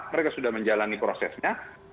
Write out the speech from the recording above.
mereka sudah menjalani prosesnya